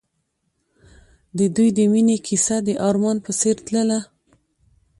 د دوی د مینې کیسه د آرمان په څېر تلله.